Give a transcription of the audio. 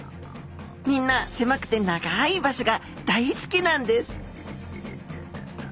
みんなせまくて長い場所が大好きなんです